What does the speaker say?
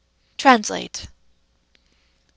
TRANSLATE 1.